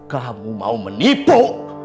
kamu mau menipu